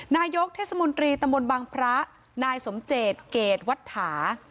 นายกเทศมนตรีตะมนต์บังพระนายสมเจษฐ์เกรดวัฏฐา